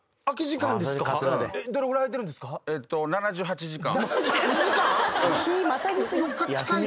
７８時間！？